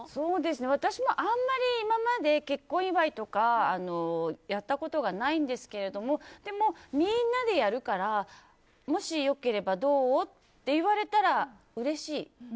私もあんまり今まで結婚祝いとかやったことがないんですけどでも、みんなでやるからもしよければどう？って言われたら、うれしい。